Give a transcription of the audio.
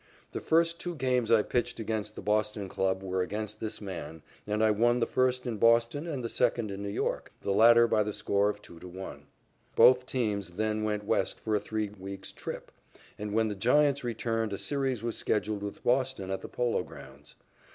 The first two games I pitched against the Boston club were against this man, and I won the first in Boston and the second in New York, the latter by the score of 2 to 1. Both teams then went west for a three weeks' trip, and when the Giants returned a series was scheduled with Boston at the Polo Grounds.